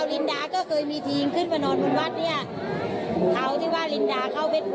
ไฟตัวนี้ไฟฟ้าเดินยังใช้ได้มั้ยครับ